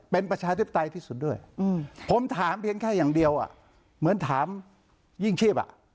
เป็นประชาธิปไตยที่สุดด้วยผมถามเพียงแค่อย่างเดียวเหมือนถามยิ่งชีพ